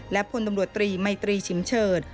และพลตำรวจตรีมัยตรีชิมเฉิด